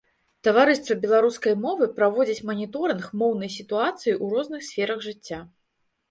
Таварыства беларускай мовы праводзіць маніторынг моўнай сітуацыі ў розных сферах жыцця.